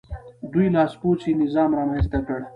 دوی لاسپوڅی نظام رامنځته کړ.